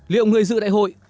liệu người dự đại hội